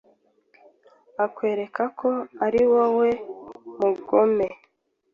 akwereke ko ari wowe mugome